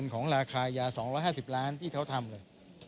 ของราคายา๒๕๐ล้านที่เขาทำเลย